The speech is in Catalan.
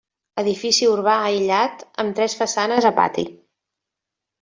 Edifici urbà aïllat, amb tres façanes a pati.